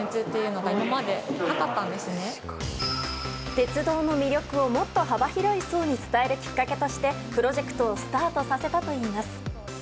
鉄道の魅力をもっと幅広い層に伝えるきっかけとして、プロジェクトをスタートさせたといいます。